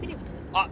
あっ